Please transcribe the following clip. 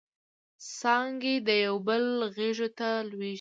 څانګې د یوبل غیږو ته لویږي